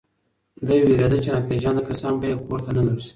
دی وېرېده چې ناپېژانده کسان به یې کور ته ننوځي.